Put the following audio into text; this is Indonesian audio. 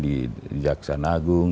di jaksan agung